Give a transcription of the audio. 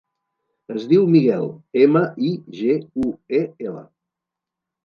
Es diu Miguel: ema, i, ge, u, e, ela.